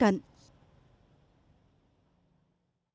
cảm ơn các bạn đã theo dõi và hẹn gặp lại